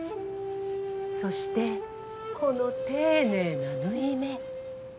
そしてこの丁寧な縫い目。